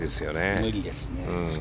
無理ですね。